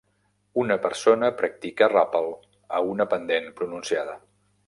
Una persona practica ràpel a una pendent pronunciada.